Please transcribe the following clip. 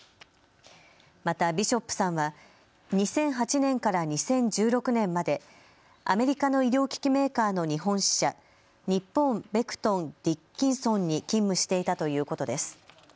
またビショップさんは２００８年から２０１６年までアメリカの医療機器メーカーの日本支社、日本ベクトン・ディッキンソンに勤務していたということです。